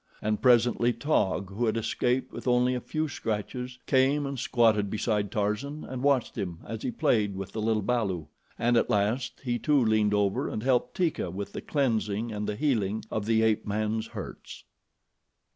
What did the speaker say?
And presently Taug, who had escaped with only a few scratches, came and squatted beside Tarzan and watched him as he played with the little balu, and at last he too leaned over and helped Teeka with the cleansing and the healing of the ape man's hurts.